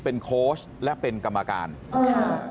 เราก็จะได้มีความมั่นใจในการแบบหลายอย่าง